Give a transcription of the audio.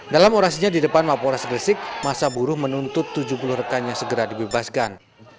dalam orasinya di depan mapores gresik masa buruh menuntut tujuh puluh rekannya segera dibebaskan